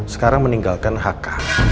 sekarang meninggalkan hk